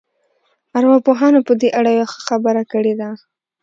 ارواپوهانو په دې اړه يوه ښه خبره کړې ده.